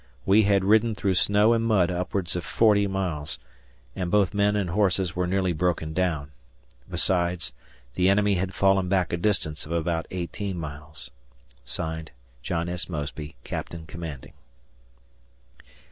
We had ridden through snow and mud upwards of 40 miles, and both men and horses were nearly broken down; besides, the enemy had fallen back a distance of about 18 miles. (Signed) John S. Mosby, Captain Commanding.